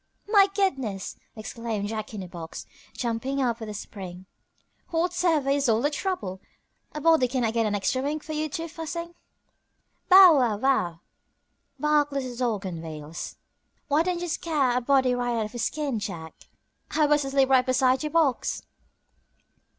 "My goodness!" exclaimed Jack in a box, jumping up with a spring, "whatever is all the trouble? A body cannot get an extra wink for you two fussing." "Bow wow wow!" barked little Dog on wheels, "why don't you scare a body right out of his skin, Jack? I was asleep right beside your box."